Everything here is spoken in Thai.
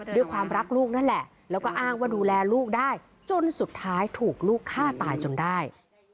ด้วยความรักลูกนั่นแหละแล้วก็อ้างว่าดูแลลูกได้จนสุดท้ายถูกลูกฆ่าตายจนได้